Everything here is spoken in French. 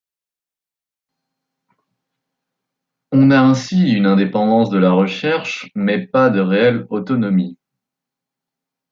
On a ainsi une indépendance de la recherche, mais pas de réelle autonomie.